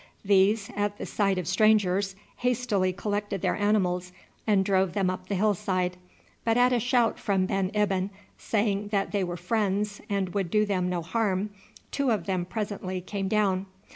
These, at the sight of strangers, hastily collected their animals and drove them up the hillside, but at a shout from Ben Ibyn, saying that they were friends and would do them no harm, two of them presently came down.